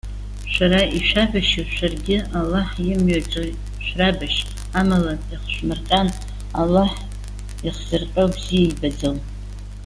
Шәара ишәабашьуа шәаргьы Аллаҳ имҩаҿы шәрабашь, амала иахшәмырҟьан, Аллаҳ иахзырҟьо бзиа ибаӡом.